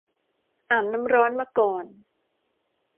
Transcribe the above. อาบน้ำร้อนมาก่อน